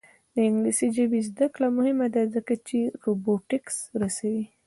د انګلیسي ژبې زده کړه مهمه ده ځکه چې روبوټکس رسوي.